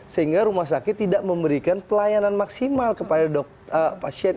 sehingga rumah sakit tidak memberikan pelayanan maksimal kepada pasien